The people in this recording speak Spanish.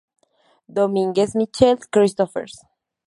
Domínguez Michael, Cristopher.